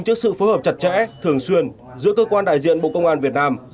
trước sự phối hợp chặt chẽ thường xuyên giữa cơ quan đại diện bộ công an việt nam